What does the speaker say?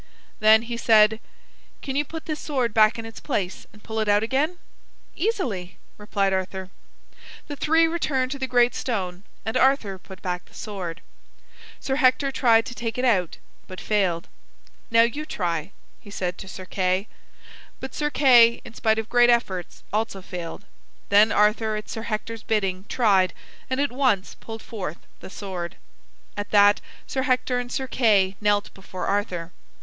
Then he said: "Can you put this sword back in its place and pull it out again?" "Easily," replied Arthur. The three returned to the great stone, and Arthur put back the sword. Sir Hector tried to take it out, but failed. "Now, you try," he said to Sir Kay. But Sir Kay, in spite of great efforts, also failed. Then Arthur, at Sir Hector's bidding, tried, and at once pulled forth the sword. At that Sir Hector and Sir Kay knelt before Arthur.